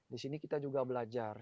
di sini kita juga belajar